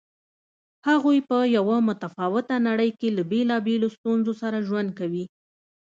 هغوی په یوه متفاوته نړۍ کې له بېلابېلو ستونزو سره ژوند کوي.